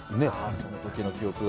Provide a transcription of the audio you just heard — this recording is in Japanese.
そのときの記憶が。